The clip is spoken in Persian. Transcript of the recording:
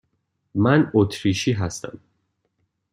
من اتریشی هستم.